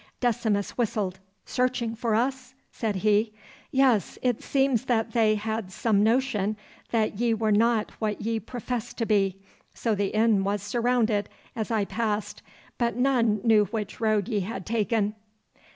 Decimus whistled. 'Searching for us?' said he. 'Yes. It seems that they had some notion that ye were not what ye professed to be, so the inn was surrounded as I passed, but none knew which road ye had taken.